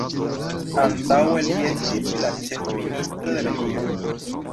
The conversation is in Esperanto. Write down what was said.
Antaŭe li estis la ĉefministro de Belgio.